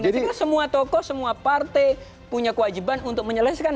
jadi semua tokoh semua partai punya kewajiban untuk menyelesaikan